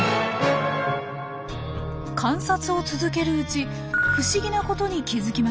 観察を続けるうち不思議なことに気付きました。